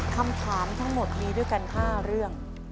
คำถามทั้งหมดมีด้วยกัน๕เรื่อง